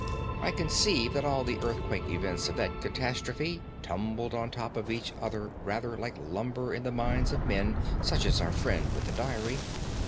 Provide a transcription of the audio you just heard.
"I conceive that all the earthquake events of that catastrophe tumbled on top of each other rather like lumber in the minds of men such as our friend with the diary.